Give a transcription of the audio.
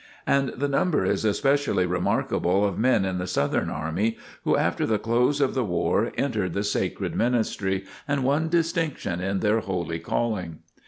And the number is especially remarkable of men in the Southern army who after the close of the war entered the sacred ministry and won distinction in their holy calling.